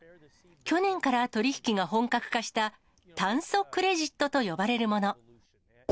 去年から取り引きが本格化した炭素クレジットと呼ばれるもの。